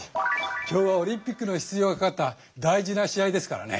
今日はオリンピックの出場がかかった大事な試合ですからね。